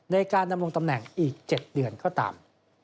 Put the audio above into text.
ในการดำรงตำแหน่งอีก๗เดือนก็ตาม